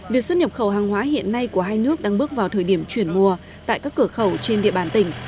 việc xuất nhập khẩu hàng hóa hiện nay của hai nước đang bước vào thời điểm chuyển mùa tại các cửa khẩu trên địa bàn tỉnh